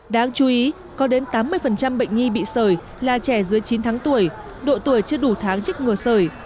đáng chú ý có đến tám mươi bệnh nhi bị sởi là trẻ dưới chín tháng tuổi độ tuổi chưa đủ tháng trước mùa sởi